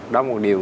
đó là một điều